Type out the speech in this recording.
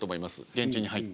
現地に入って。